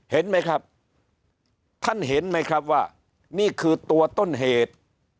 เห็นไหมครับท่านเห็นไหมครับว่านี่คือตัวต้นเหตุ